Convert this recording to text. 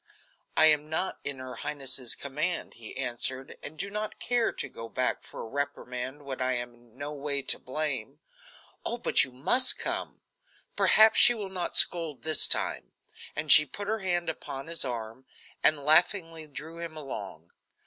"I am not in her highness's command," he answered, "and do not care to go back for a reprimand when I am in no way to blame." "Oh, but you must come; perhaps she will not scold this time," and she put her hand upon his arm, and laughingly drew him along.